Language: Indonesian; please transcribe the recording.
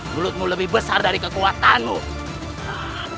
mulutmu lebih besar dari kekuatanmu